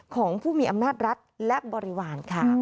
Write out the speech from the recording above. ของผู้มีอำนาจรัฐและบริวารค่ะ